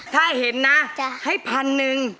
ถ้าเห็นนะให้พันหนึ่ง